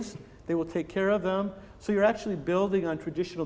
jadi anda sedang membangun peradaban tradisional